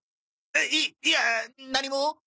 いいやあ何も。